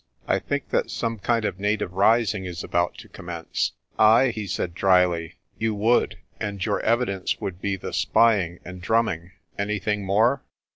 "I think that some kind of native rising is about to commence." "Ay," he said dryly, "you would, and your evidence would be the spying and drumming. Anything more?